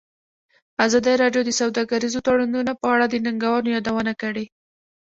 ازادي راډیو د سوداګریز تړونونه په اړه د ننګونو یادونه کړې.